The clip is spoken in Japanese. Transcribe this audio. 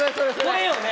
これよね？